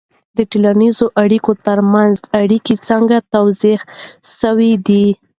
د ټولنیزو اړیکو ترمنځ اړیکه څنګه توضیح سوې ده؟